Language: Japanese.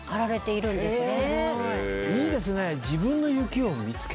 いいですね。